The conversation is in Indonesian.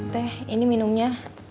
teh ini minumnya